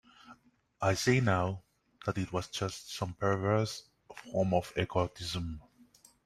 I see now that it was just some perverse form of egotism.